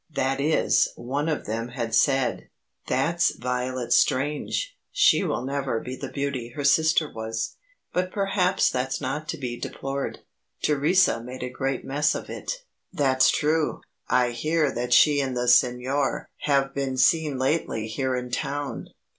That is, one of them had said: "That's Violet Strange. She will never be the beauty her sister was; but perhaps that's not to be deplored. Theresa made a great mess of it." "That's true. I hear that she and the Signor have been seen lately here in town.